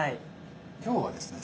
今日はですね